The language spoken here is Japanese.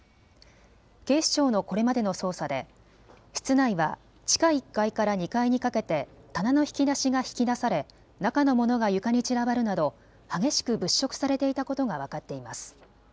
警視庁のこれまでの捜査で室内は地下１階から２階にかけて棚の引き出しが引き出され中のものが床に散らばるなど激しく物色されていたことが分かっています。